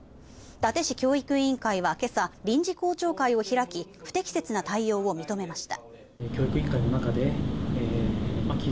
伊達市教育委員会は今朝、臨時校長会を開き不適切な対応を認めました。